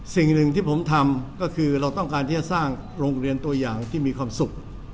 สิ่งหนึ่งที่ผมทำก็คือเราต้องการที่จะสร้างโรงเรียนตัวอย่างที่มีความสุข